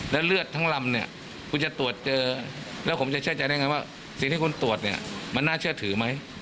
แล้วเลือดทั้งลำเนี่ยคุณจะตรวจเจอแล้วผมจะเชื่อใจได้ไงว่าสิ่งที่คุณตรวจเนี่ยมันน่าเชื่อถือไหม